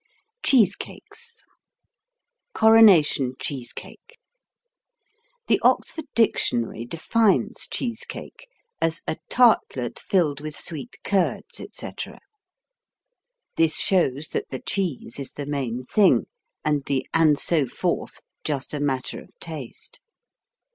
CHEESECAKES Coronation Cheese Cake The Oxford Dictionary defines cheese cake as a "tartlet filled with sweet curds, etc." This shows that the cheese is the main thing, and the and so forth just a matter of taste.